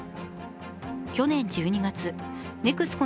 去年１２月、ＮＥＸＣＯ